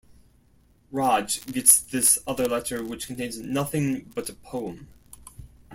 Raj gets this other letter which contains nothing but a poem.